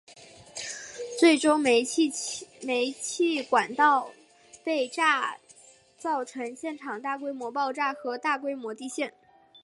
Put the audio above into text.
最终煤气管道被炸造成现场大规模爆炸和大规模地陷。